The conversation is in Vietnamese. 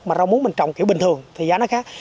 mà rau muốn mình trồng kiểu bình thường thì giá nó khác